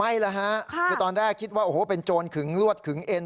ใช่แล้วฮะคือตอนแรกคิดว่าโอ้โหเป็นโจรขึงลวดขึงเอ็น